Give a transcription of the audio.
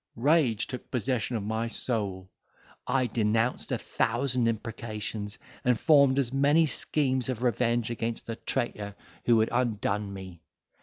Rage took possession of my soul; I denounced a thousand imprecations, and formed as many schemes of revenge against the traitor who had undone me.